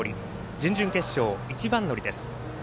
準々決勝、一番乗りです。